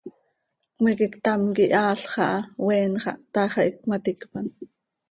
Cmiique ctam quih aal xaha oeen xah, taax ah iicp cömaticpan.